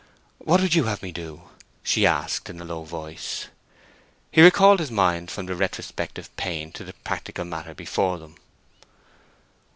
"What would you have me do?" she asked, in a low voice. He recalled his mind from the retrospective pain to the practical matter before them.